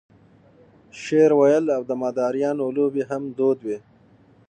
شعر ویل او د مداریانو لوبې هم دود وې.